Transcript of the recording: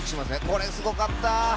これすごかった！